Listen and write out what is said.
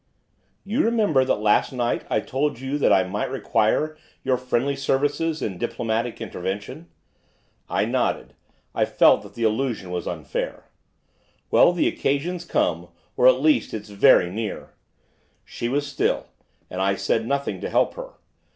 'You remember that last night I told you that I might require your friendly services in diplomatic intervention?' I nodded, I felt that the allusion was unfair. 'Well, the occasion's come, or, at least, it's very near.' She was still, and I said nothing to help her.